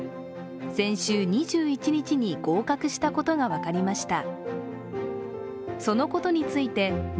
先週、２１日に合格したことが分かりました。